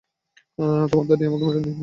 তোমার দাদী আমাকে মেনে নেয়নি।